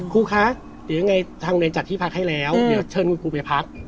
ครูคะเดี๋ยวยังไงทางเนรจัดที่พักให้แล้วเดี๋ยวเชิญคุณครูไปพัก